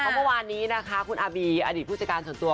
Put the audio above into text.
เมื่อวานนี้นะคะคุณอาบีอดีตผู้จัดการส่วนตัว